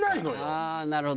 ああなるほど。